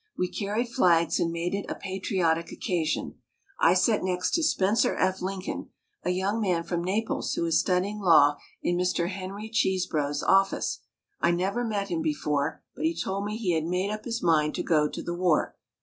We carried flags and made it a patriotic occasion. I sat next to Spencer F. Lincoln, a young man from Naples who is studying law in Mr. Henry Chesebro's office. I never met him before but he told me he had made up his mind to go to the war.